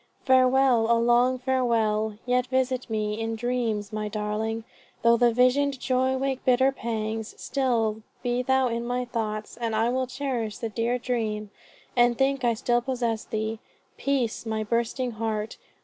Farewell, a long farewell! Yet visit me In dreams, my darling; though the visioned joy Wake bitter pangs, still be thou in my thoughts And I will cherish the dear dream, and think I still possess thee. Peace, my bursting heart!